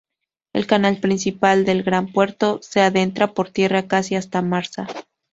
El canal principal del Gran Puerto se adentra por tierra casi hasta Marsa.